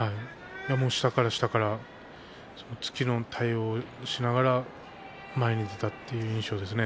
下から下から対応しながら前に出るということですね。